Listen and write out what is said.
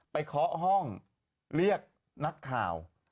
เคาะห้องเรียกนักข่าว